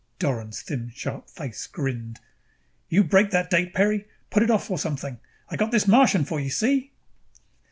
Doran's thin sharp face grinned. "You break that date, Peri. Put it off or something. I got this Martian for you, see?"